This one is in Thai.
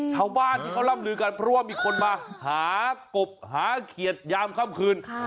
ชาวบ้านที่เขาร่ำลือกันเพราะว่ามีคนมาหากบหาเขียดยามค่ำคืน